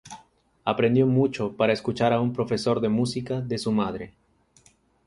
Aprendió mucho para escuchar a un profesor de música de su madre.